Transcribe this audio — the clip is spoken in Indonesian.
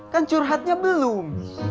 kan curhatnya belum